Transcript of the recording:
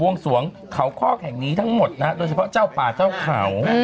วงสวงเขาคอกแห่งนี้ทั้งหมดนะโดยเฉพาะเจ้าป่าเจ้าเขา